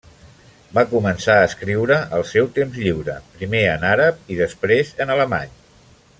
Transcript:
Va començar a escriure al seu temps lliure, primer en àrab i després en alemany.